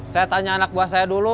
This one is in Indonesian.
saya tanya anak buah saya dulu